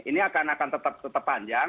ini akan tetap terpanjang